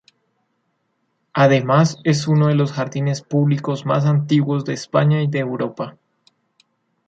Además, es uno de los jardines públicos más antiguos de España y de Europa.